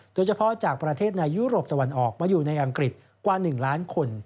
โดยเฉพาะจากประเทศในยุโรปตะวันออกมาอยู่ในอังกฤษกว่า๑ล้านคน